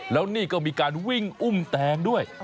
แล้วนี่ก็มีการวิ่งอุ้มแตงด้วย